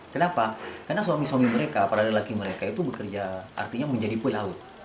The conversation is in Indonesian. kenapa karena suami suami mereka para lelaki mereka itu bekerja artinya menjadi pelaut